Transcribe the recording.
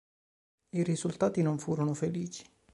I risultati non furono felici.